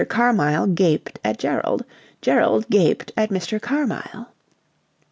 Carmyle gaped at Gerald: Gerald gaped at Mr. Carmyle.